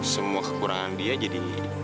semua kekurangan dia jadi